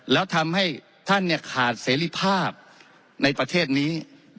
แล้วทำให้ท่านเนี่ยขาดเสรีภาพในประเทศนี้